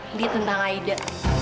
ini tentang aida